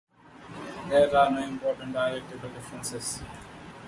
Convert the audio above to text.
There are no important dialectical differences.